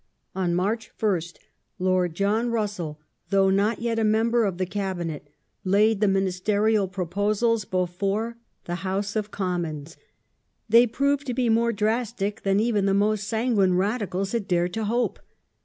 On March 1st Lord John Russell, though not yet a member of the Cabinet, laid the ministerial proposals before the House of Commons. They proved to be more drastic than even the most sanguine Radicals had dared to hope.